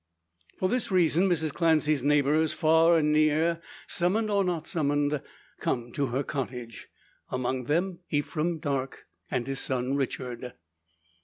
For this reason Mrs Clancy's neighbours, far and near, summoned or not summoned, come to her cottage. Among them Ephraim Darke, and his son Richard.